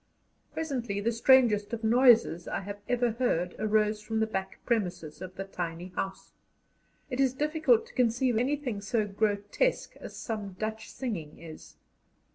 Presently the strangest of noises I have ever heard arose from the back premises of the tiny house. It is difficult to conceive anything so grotesque as some Dutch singing is.